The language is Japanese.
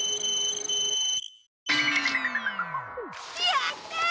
やったー！